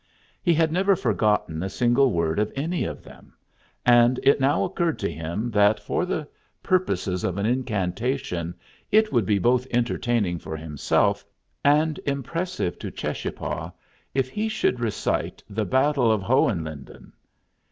He had never forgotten a single word of any of them, and it now occurred to him that for the purposes of an incantation it would be both entertaining for himself and impressive to Cheschapah if he should recite "The Battle of Hohenlinden."